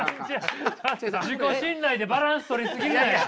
自己信頼でバランス取り過ぎんなや！